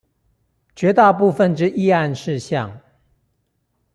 絕大部分之議案事項